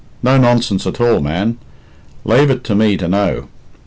No nonsense at all, man. Lave it to me to know."